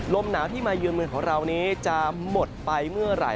ลมหนาวที่มายืนเมืองของเรานี้จะหมดไปเมื่อไหร่